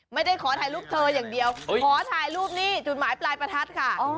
ไม่ได้ขอถ่ายรูปเธออย่างเดียวขอถ่ายรูปนี่จุดหมายปลายประทัดค่ะ